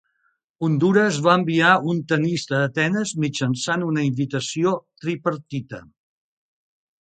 Hondures va enviar un tennista a Atenes mitjançant una invitació tripartita.